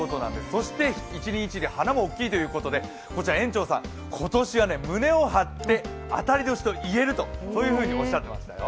そして、一輪一輪花も大きいということで園長さん今年は胸を張って、当たり年と言えるとおっしゃっていましたよ。